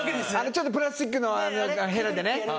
ちょっとプラスチックのヘラでね。